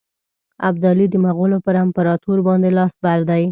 ابدالي د مغولو پر امپراطور باندي لاس بر دی.